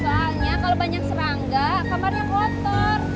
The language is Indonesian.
soalnya kalau banyak serangga kamarnya kotor